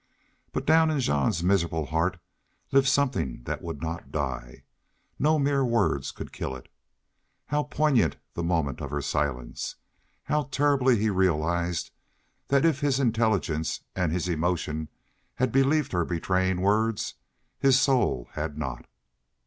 But down in Jean's miserable heart lived something that would not die. No mere words could kill it. How poignant that moment of her silence! How terribly he realized that if his intelligence and his emotion had believed her betraying words, his soul had not!